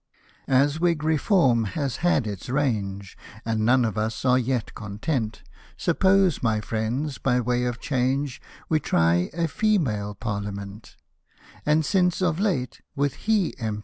As Whig Reform has had its range, And none of us are yet content, Suppose, my friends, by way of change, We try a Female Parltame?tt ; And since, of late, with he M.